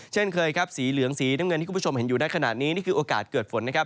เช่นเคยครับสีเหลืองสีน้ำเงินที่คุณผู้ชมเห็นอยู่ในขณะนี้นี่คือโอกาสเกิดฝนนะครับ